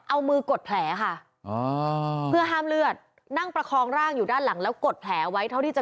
เอามือกดแผลค่ะเพื่อห้ามเลือดนั่งประคองร่างอยู่ด้านหลังแล้วกดแผลไว้เท่าที่จะ